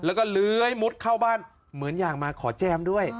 แล้วก็เลื้อยมุดเข้าบ้านเหมือนอยากมาขอแจมด้วย